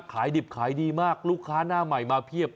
ขายดิบขายดีมากลูกค้าหน้าใหม่มาเพียบ